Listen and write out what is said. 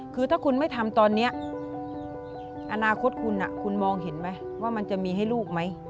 คือถ้าคุณไม่ทำตอนนี้อนาคตคุณคุณมองเห็นไหมว่ามันจะมีให้ลูกไหม